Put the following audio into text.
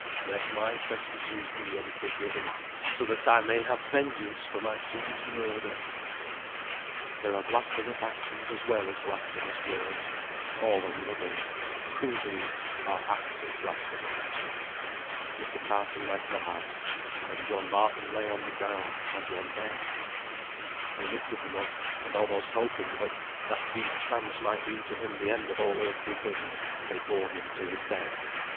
"Let my trespasses be unforgiven, so that I may have vengeance for my son's murder." There are blasphemous actions as well as blasphemous words: all unloving, cruel deeds are acted blasphemy. Mr. Carson left the house. And John Barton lay on the ground as one dead. They lifted him up, and almost hoping that that deep trance might be to him the end of all earthly things, they bore him to his bed.